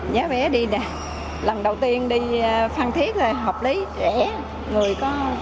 giá vé đi lần đầu tiên đi phan thiết là hợp lý rẻ người có hai trăm linh